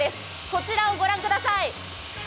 こちらを御覧ください。